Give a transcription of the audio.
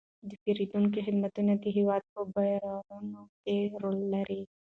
د پیرودونکو خدمتونه د هیواد په بیارغونه کې رول لري.